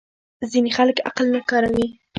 ځینې خلک عقل نه کاروي.